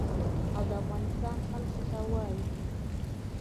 او د افغانستان خلکو ته وايي.